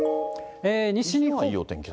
西日本はいい天気だ。